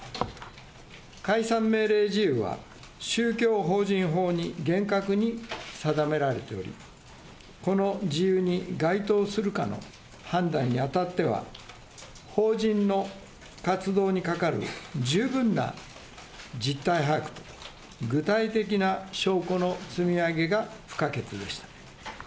解散命令事由は、宗教法人法に厳格に定められており、この事由に該当するかの判断にあたっては、法人の活動にかかる十分な実態把握と、具体的な証拠の積み上げが不可欠でした。